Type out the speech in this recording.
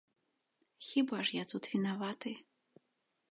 Хіба ж я тут вінаваты?